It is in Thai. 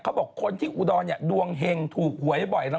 เขาบอกคนที่อุดรเนี่ยดวงเห็งถูกหวยบ่อยแล้ว